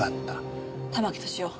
玉木敏夫